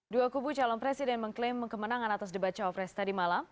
dua kubu calon presiden mengklaim kemenangan atas debat cawapres tadi malam